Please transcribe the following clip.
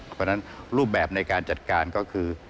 เพราะฉะนั้นรูปแบบในการจัดการก็คือ